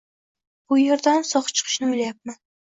bu yerdan sog‘ chiqishni o‘ylayapman.